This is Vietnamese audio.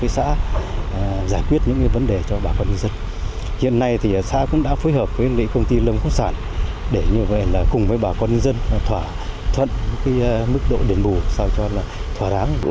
xã giải quyết những vấn đề cho bà con dân hiện nay thì xã cũng đã phối hợp với công ty lâm quốc sản để như vậy là cùng với bà con dân thỏa thuận mức độ đền bù so với cho là thỏa ráng